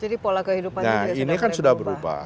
jadi pola kehidupan ini sudah berubah